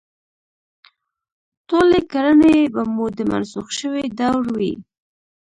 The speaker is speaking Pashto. ټولې کړنې به مو د منسوخ شوي دور وي.